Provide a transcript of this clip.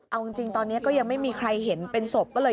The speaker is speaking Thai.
เอาจริงตอนนี้ก็ยังไม่มีใครเห็นเป็นศพก็เลย